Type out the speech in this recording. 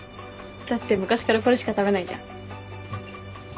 だって昔からこれしか食べないじゃん。